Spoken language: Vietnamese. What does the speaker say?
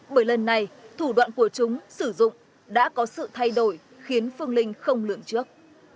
bởi lần này thủ đoạn của chúng sử dụng đã có sự thay đổi khiến phương linh không lượng trước